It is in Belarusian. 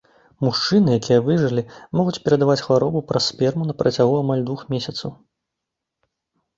Мужчыны, якія выжылі, могуць перадаваць хваробу праз сперму на працягу амаль двух месяцаў.